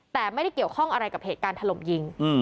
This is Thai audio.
แต่ไม่ได้เกี่ยวข้องอะไรกับเหตุการณ์ถล่มยิง